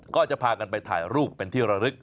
ก็จะพากันไปถ่ายรูปเป็นที่ระลึก